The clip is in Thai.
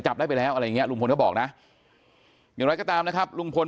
จับได้ไปแล้วอะไรเนี่ยหรือบอกนะอย่างไรก็ตามนะครับลุงพล